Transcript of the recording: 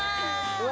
うわ！